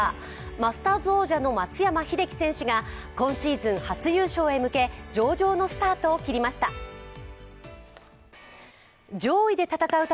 マスターズ王者の松山英樹選手が今シーズン初優勝へ向け、上々のスタートを切りました。